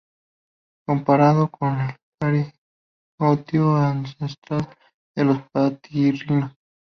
Comparando con el cariotipo ancestral de los platirrinos.